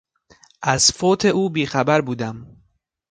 از فوت او بیخبر بودم.